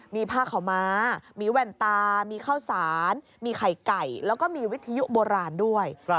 มีผ้าขาวม้ามีแว่นตามีข้าวสารมีไข่ไก่แล้วก็มีวิทยุโบราณด้วย